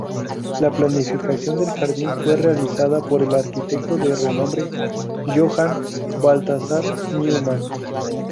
La planificación del jardín fue realizada por el arquitecto de renombre Johann Balthasar Neumann.